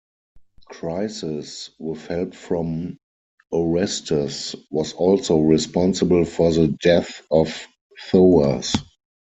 Chryses, with help from Orestes, was also responsible for the death of Thoas.